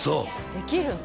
できるの！